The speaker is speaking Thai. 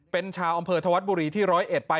เป็นชาวอำเภอธวัดบุรีที่ร้อยเอ็ดไป